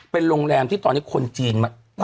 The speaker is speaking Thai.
เป็นโรงแรมที่ตอนนี้คนจีนมา